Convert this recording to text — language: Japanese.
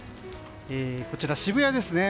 こちらは渋谷ですね。